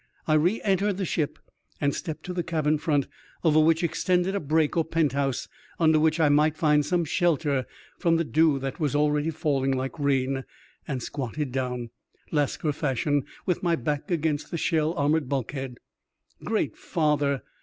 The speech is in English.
I re entered the ship and stepped to the cabin front, over which extended a " break " or pent house, under which I might find some shelter from the dew that was already falling like rain, and squatted down, Lascar fashion, with my back against the shell armoured bulkhead. Great Father